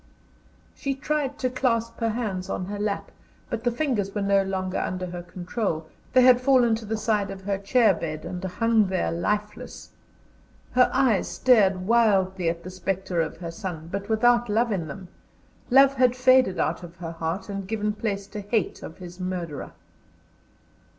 She tried to clasp her hands on her lap, but the fingers were no longer under her control; they had fallen to the side of the chair bed, and hung there lifeless. Her eyes stared wildly at the spectre of her son, but without love in them; love had faded out of her heart, and given place to hate of his murderer.